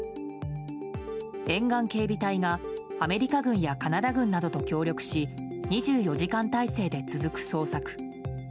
沿岸警備隊がアメリカ軍やカナダ軍などと協力し２４時間態勢で続く捜索。